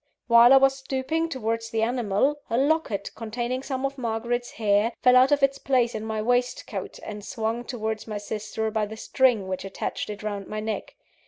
While I was stooping towards the animal, a locket containing some of Margaret's hair, fell out of its place in my waistcoat, and swung towards my sister by the string which attached it round my neck.